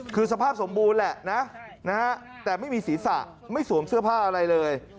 คือสภาพสมบูรณ์แหละนะแต่ไม่มีศีรษะไม่สวมเสื้อผ้าอะไรเลย